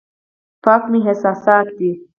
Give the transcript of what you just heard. پاک مې احساسات دي.